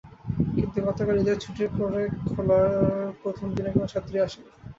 কিন্তু গতকাল ঈদের ছুটির পরে খোলার প্রথম দিনে কোনো ছাত্রীই আসেনি।